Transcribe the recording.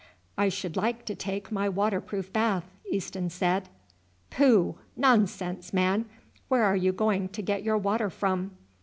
"I should like to take my waterproof bath," Easton said. "Pooh! nonsense, man! Where are you going to get your water from?"